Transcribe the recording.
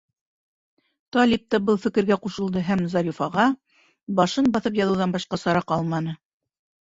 Талип та был фекергә ҡушылды, һәм Зарифаға башын баҫып яҙыуҙан башҡа сара ҡалманы.